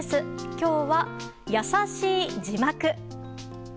今日は、やさしい字幕。